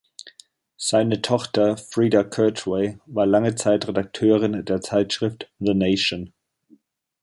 Seine Tochter Freda Kirchwey war lange Zeit Redakteurin der Zeitschrift „The Nation“.